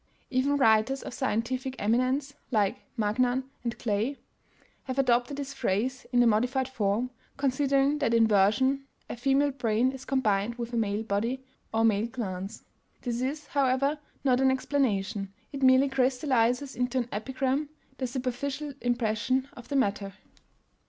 Even writers of scientific eminence, like Magnan and Gley, have adopted this phrase in a modified form, considering that in inversion a female brain is combined with a male body or male glands. This is, however, not an explanation. It merely crystallizes into an epigram the superficial impression of the matter.